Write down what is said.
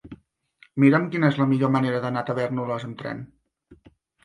Mira'm quina és la millor manera d'anar a Tavèrnoles amb tren.